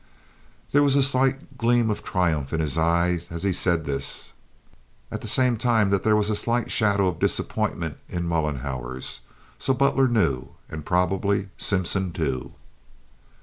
There was a slight gleam of triumph in his eye as he said this, at the same time that there was a slight shadow of disappointment in Mollenhauer's. So Butler knew, and probably Simpson, too.